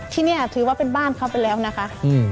ที่นี่ถือว่าเป็นบ้านเขาไปแล้วนะคะ